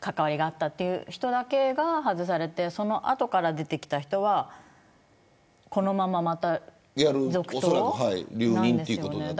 関わりがあった人だけが外されてその後から出てきた人はこのまままた続投なんでしょうね。